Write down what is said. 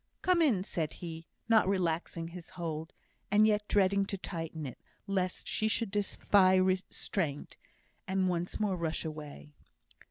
"Come in," said he, not relaxing his hold, and yet dreading to tighten it, lest she should defy restraint, and once more rush away.